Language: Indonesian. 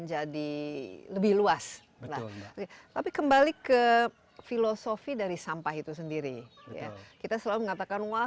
menjadi lebih luas nah tapi kembali ke filosofi dari sampah itu sendiri ya kita selalu mengatakan wah